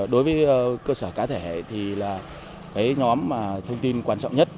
đối với cơ sở cá thể thì là cái nhóm thông tin quan trọng nhất